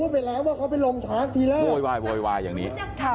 โว้ยวายแบบนี้